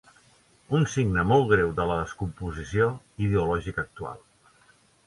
Un signe molt greu de la descomposició ideològica actual.